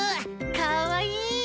かわいい！